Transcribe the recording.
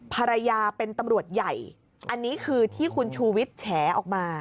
ภรรยาเป็นตำรวจใหญ่อันนี้คือที่คุณชูวิทย์แฉออกมา